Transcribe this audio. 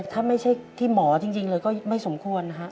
ถ้าไม่ใช่ที่หมอจริงเลยก็ไม่สมควรนะฮะ